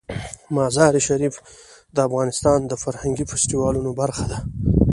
مزارشریف د افغانستان د فرهنګي فستیوالونو برخه ده.